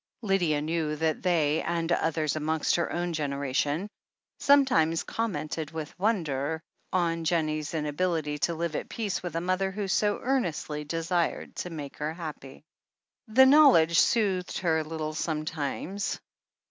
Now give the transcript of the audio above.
Lydia knew that they, and others amongst her own generation, sometimes commented with wonder on Jen nie's inability to live at peace with a mother who so earnestly desired to make her happy. The knowledge soothed her a little sometimes.